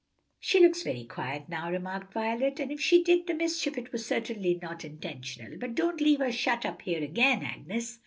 "She looks very quiet now," remarked Violet, "and if she did the mischief it was certainly not intentional. But don't leave her shut up here again, Agnes."